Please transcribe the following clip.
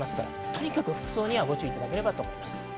とにかく服装にはご注意いただければと思います。